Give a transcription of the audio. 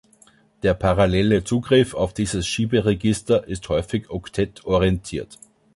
Der parallele Zugriff auf dieses Schieberegister ist häufig oktett-orientiert.